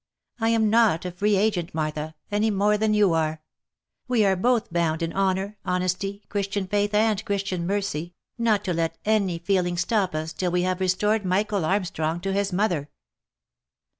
I am not a free agent, Martha, any more than you are ; we are both bound in honour, honesty, Christian faith, and Christian mercy, not to let any feeling stop us till we have restored Michael Armstrong to his mo ther."